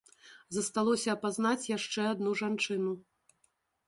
Засталося апазнаць яшчэ адну жанчыну.